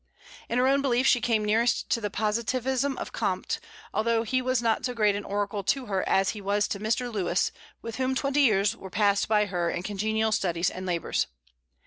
In her own belief she came nearest to the positivism of Comte, although he was not so great an oracle to her as he was to Mr. Lewes, with whom twenty years were passed by her in congenial studies and labors.